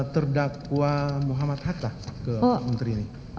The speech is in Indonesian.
terdakwa muhammad hatta ke pak menteri ini